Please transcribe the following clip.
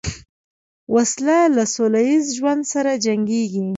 وسله له سولهییز ژوند سره جنګیږي